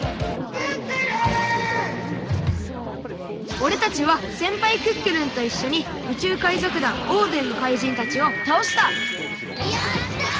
おれたちはせんぱいクックルンといっしょに宇宙海賊団オーデンのかいじんたちをたおしたやった！